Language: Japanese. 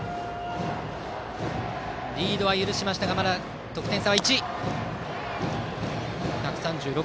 リードは許しましたが得点差はまだ１。